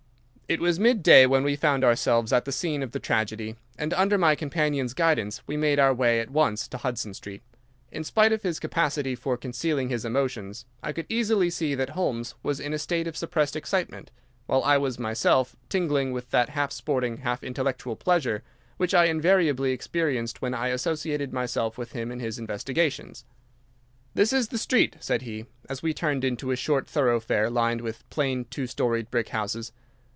It was midday when we found ourselves at the scene of the tragedy, and, under my companion's guidance, we made our way at once to Hudson Street. In spite of his capacity for concealing his emotions, I could easily see that Holmes was in a state of suppressed excitement, while I was myself tingling with that half sporting, half intellectual pleasure which I invariably experienced when I associated myself with him in his investigations. "This is the street," said he, as we turned into a short thoroughfare lined with plain two storied brick houses.